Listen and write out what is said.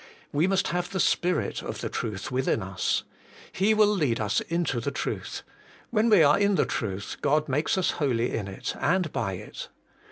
We must have the Spirit of the Truth within us. He will lead us into the Truth ; when we are in the Truth, God makes us holy in it and by it.